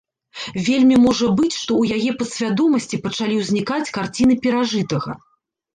Вельмі можа быць, што ў яе падсвядомасці пачалі ўзнікаць карціны перажытага.